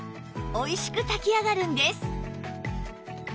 おいしく炊き上がるんです